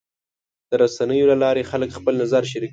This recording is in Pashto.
د رسنیو له لارې خلک خپل نظر شریکوي.